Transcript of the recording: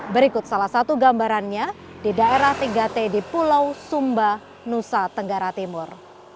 berikut salah satu gambarannya di daerah tiga t di pulau sumba nusa tenggara timur